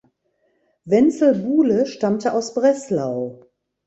Wenzel Buhle stammte aus Breslau.